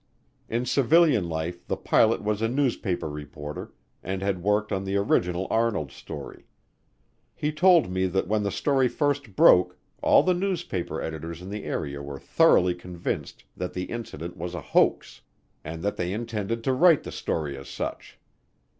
In civilian life the pilot was a newspaper reporter and had worked on the original Arnold story. He told me that when the story first broke all the newspaper editors in the area were thoroughly convinced that the incident was a hoax, and that they intended to write the story as such.